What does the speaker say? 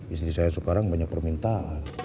istri saya sekarang banyak permintaan